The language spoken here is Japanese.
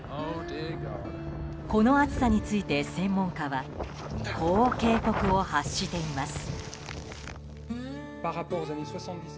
この暑さについて専門家はこう警告を発しています。